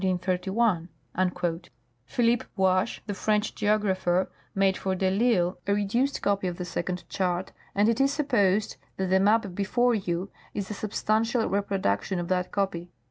Ph. Buache, the French geographer, made for de I'Isle a re duced copy of the second chart, and it is supposed that the map before you is a substantial reproduction of that copy.